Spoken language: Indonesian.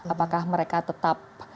apakah mereka tetap